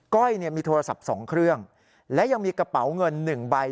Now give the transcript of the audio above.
้อยเนี่ยมีโทรศัพท์๒เครื่องและยังมีกระเป๋าเงิน๑ใบ